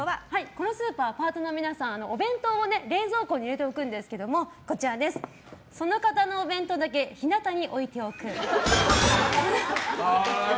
このスーパーパートのみなさんお弁当を冷蔵庫に入れるんですがその方のお弁当だけ日なたに置いておく。